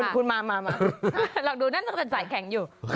คุณมาลองดูนั่นสาวสายแข็งอยู่